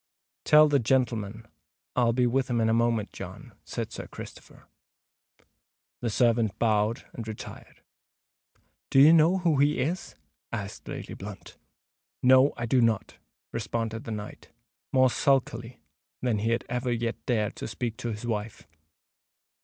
"Tell the gentleman I'll be with him in a moment, John," said Sir Christopher. The servant bowed and retired. "Do you know who he is?" asked Lady Blunt. "No, I do not," responded the knight, more sulkily than he had ever yet dared to speak to his wife.